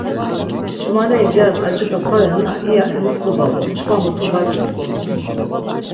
Ç̌umaneri gyaris aciǩa korenna iya emus dubağun, çkva mutu va ç̆k̆omups.